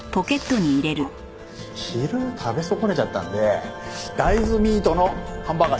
あっ昼食べ損ねちゃったんで大豆ミートのハンバーガー１つ。